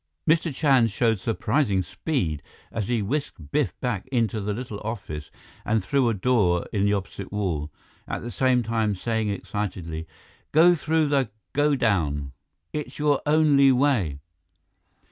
Mr. Chand showed surprising speed as he whisked Biff back into the little office and through a door in the opposite wall, at the same time saying excitedly, "Go through the godown! It is your only way!"